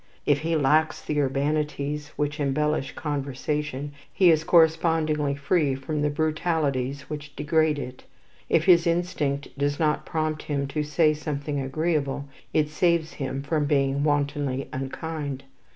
If he lacks the urbanities which embellish conversation, he is correspondingly free from the brutalities which degrade it. If his instinct does not prompt him to say something agreeable, it saves him from being wantonly unkind.